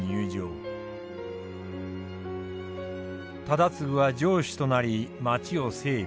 忠次は城主となり街を整備